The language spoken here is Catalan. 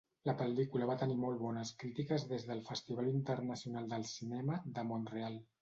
La pel·lícula va tenir molt bones crítiques des del Festival Internacional del Cinema de Mont-real.